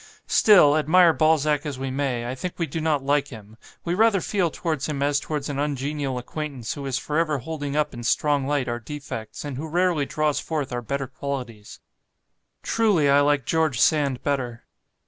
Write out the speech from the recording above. Still, admire Balzac as we may, I think we do not like him; we rather feel towards him as towards an ungenial acquaintance who is for ever holding up in strong light our defects, and who rarely draws forth our better qualities. "Truly, I like George Sand better.